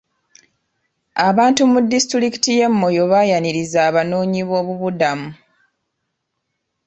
Abantu mu disitulikiti y'e Moyo baayaniriza abanoonyiboobubudamu.